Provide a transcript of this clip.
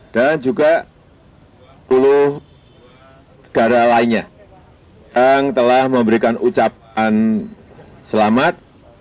dan juga sepuluh negara lainnya yang telah memberikan ucapan selamat